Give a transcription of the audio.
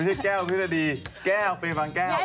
ไม่ใช่แก้วพิฤษฎีแก้วไปฟังแก้ว